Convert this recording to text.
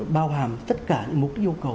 bao hàm tất cả mục đích yêu cầu